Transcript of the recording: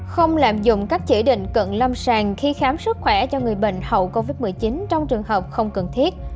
không lạm dụng các chỉ định cận lâm sàng khi khám sức khỏe cho người bệnh hậu covid một mươi chín trong trường hợp không cần thiết